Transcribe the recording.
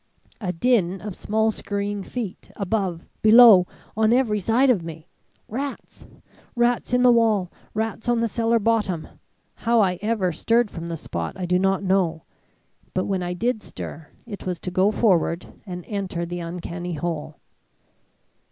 A din of small skurrying feet above, below, on every side of me! Rats! rats in the wall! rats on the cellar bottom! How I ever stirred from the spot I do not know, but when I did stir, it was to go forward, and enter the uncanny hole.